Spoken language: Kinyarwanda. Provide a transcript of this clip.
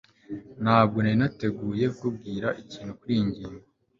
ntabwo nari nateguye kukubwira ikintu kuriyi ngingo